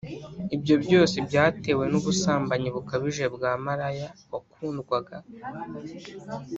ibyo byose byatewe n’ubusambanyi bukabije bwa maraya wakundwaga